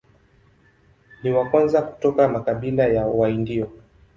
Ni wa kwanza kutoka makabila ya Waindio.